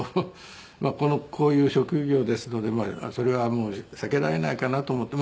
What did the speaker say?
こういう職業ですのでそれはもう避けられないかなと思って。